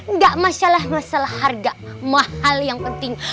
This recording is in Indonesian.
enggak masalah masalah harga mahal yang penting